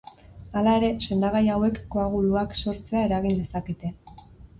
Hala ere, sendagai hauek koaguluak sortzea eragin lezakete.